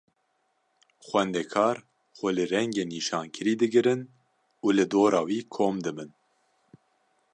Xwendekar xwe li rengê nîşankirî digirin û li dora wî kom dibin.